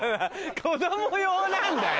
子供用なんだよ！